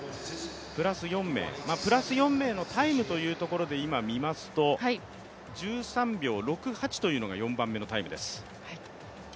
プラス４名、プラス４名のタイムというところで今見ますと、１３秒６８というのが４番目のタイムです。